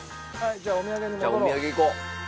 じゃあお土産行こう。